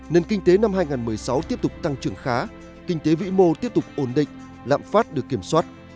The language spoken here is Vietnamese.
nền kinh tế năm hai nghìn một mươi sáu tiếp tục tăng trưởng khá kinh tế vĩ mô tiếp tục ổn định lạm phát được kiểm soát